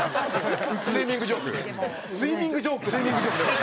スイミングジョークなん？